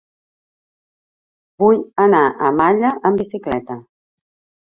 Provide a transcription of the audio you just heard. Vull anar a Malla amb bicicleta.